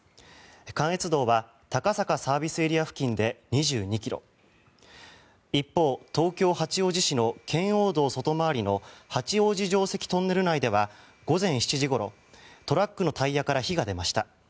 関越道は高坂ＳＡ付近で２２ｋｍ一方、東京・八王子市の圏央道外回りの八王子城跡トンネル内では午前７時ごろトラックのタイヤから火が出ました。